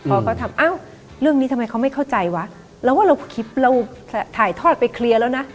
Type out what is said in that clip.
พอเขาทำอ้าวเรื่องนี้ทำไมเขาไม่เข้าใจวะเราว่าเราคลิปเราถ่ายทอดไปเคลียร์แล้วนะ